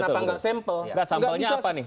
atau enggak sampel enggak sampelnya apa nih